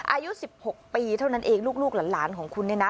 อายุ๑๖ปีเท่านั้นเองลูกหลานของคุณเนี่ยนะ